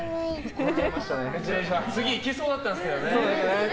次いけそうだったんですけどね。